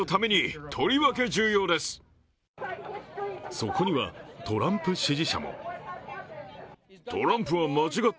そこにはトランプ支持者も。